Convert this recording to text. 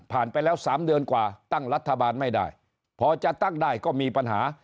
ไปแล้ว๓เดือนกว่าตั้งรัฐบาลไม่ได้พอจะตั้งได้ก็มีปัญหา